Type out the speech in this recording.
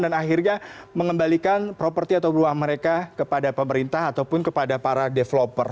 akhirnya mengembalikan properti atau buah mereka kepada pemerintah ataupun kepada para developer